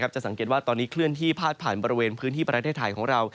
จะสังเกตว่าตอนนี้เคลื่อนที่พาดผ่านบริเวณพื้นที่ประเทศไทยของเรา